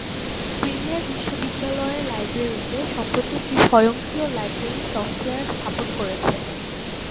Premier বিশ্ববিদ্যালয়ের লাইব্রেরীতে সম্প্রতি একটি স্বয়ংক্রিয় লাইব্রেরী সফটওয়্যার স্থাপন করেছে।